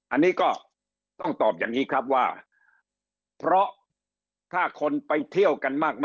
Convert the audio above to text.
อันนี้ก็ต้องตอบอย่างนี้ครับว่าเพราะถ้าคนไปเที่ยวกันมาก